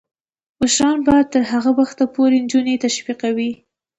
مشران به تر هغه وخته پورې نجونې تشویقوي.